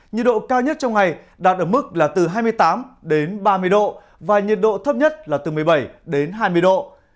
nhiệt độ cao nhất trong ngày đạt ở mức là từ hai mươi tám đến ba mươi độ và nhiệt độ thấp nhất là từ một mươi bảy đến hai mươi độ